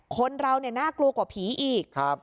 คนเราน่ากลัวกว่าผีอีก